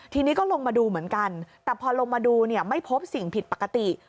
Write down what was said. ทีนี้ก็ลงมาดูเหมือนกันแต่พอลงมาดูเนี่ยไม่พบสิ่งผิดปกติ